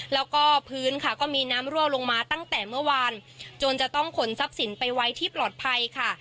แล้วก็พื้นค่ะก็มีน้ำรั่วลงมาตั้งแต่เมื่อวานจนจะต้องขนทรัพย์สินไปไว้ที่ปลอดภัยค่ะ